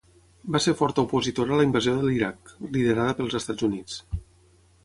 Va ser forta opositora a la invasió de l'Iraq, liderada pels Estats Units.